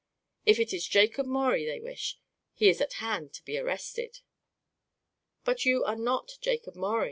If it is Jakob Maurie they wish, he is at hand to be arrested." "But you are not Jakob Maurie."